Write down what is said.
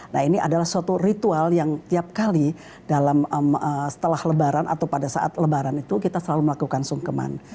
nah ini adalah suatu ritual yang tiap kali dalam setelah lebaran atau pada saat lebaran itu kita selalu melakukan sungkeman